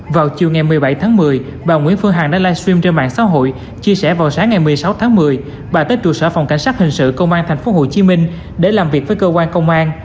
vào chiều ngày một mươi bảy tháng một mươi bà nguyễn phương hằng đã livestream trên mạng xã hội chia sẻ vào sáng ngày một mươi sáu tháng một mươi bà tới trụ sở phòng cảnh sát hình sự công an tp hcm để làm việc với cơ quan công an